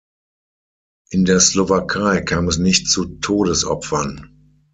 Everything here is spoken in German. In der Slowakei kam es nicht zu Todesopfern.